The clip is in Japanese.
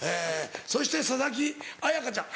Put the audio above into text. そして佐々木彩夏ちゃん